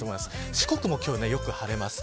四国も今日はよく晴れます。